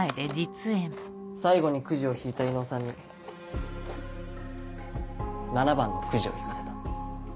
最後にくじを引いた伊能さんに７番のくじを引かせた。